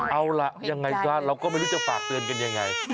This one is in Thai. เอาล่ะยังไงซะเราก็ไม่รู้จะฝากเตือนกันยังไง